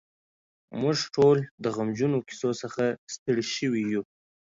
موږ ټول د غمجنو کیسو څخه ستړي شوي یو.